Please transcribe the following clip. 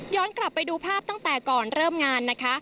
กลับไปดูภาพตั้งแต่ก่อนเริ่มงานนะคะ